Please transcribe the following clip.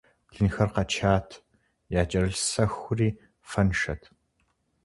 Блынхэр къэчат, якӀэрылъ сэхури фэншэт.